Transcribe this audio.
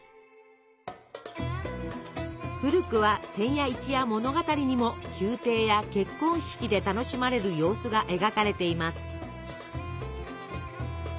古くは「千夜一夜物語」にも宮廷や結婚式で楽しまれる様子が描かれています。